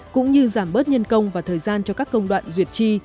cũng như giảm bớt nhân công và thời gian cho các công đoạn duyệt chi